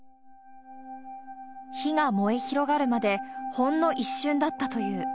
火が燃え広がるまで、ほんの一瞬だったという。